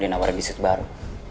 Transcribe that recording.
dia ngawarin bisnis baru